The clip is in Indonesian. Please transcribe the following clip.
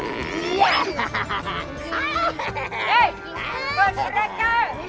eh pas mereka